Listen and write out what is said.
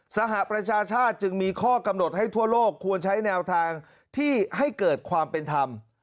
สหประชาชาติจึงมีข้อกำหนดให้ทั่วโลกควรใช้แนวทางที่ให้เกิดความเป็นธรรม